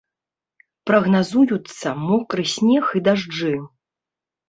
Прагназуюцца мокры снег і дажджы.